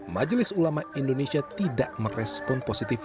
majelis ulama indonesia tidak merespon positif